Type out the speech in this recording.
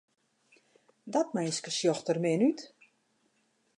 Dat minske sjocht der min út.